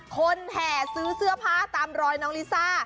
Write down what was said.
แห่ซื้อเสื้อผ้าตามรอยน้องลิซ่า